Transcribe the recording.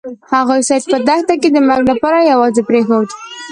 هغوی سید په دښته کې د مرګ لپاره یوازې پریښود.